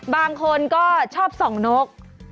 บางคนก็ชอบส่องนก